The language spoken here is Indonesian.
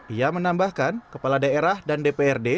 ia menambahkan kepala daerah dan dprd